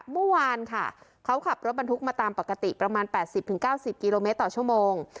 เมื่อวานค่ะเขาขับรถบรรทุกมาตามปกติประมาณ๘๐๙๐กิโลเมตรต่อชั่วโมง